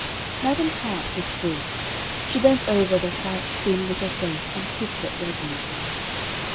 Madam's heart was full. She bent over the white, thin, little face, and kissed it reverently.